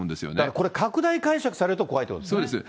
これ、拡大解釈されると怖いっていうことですね。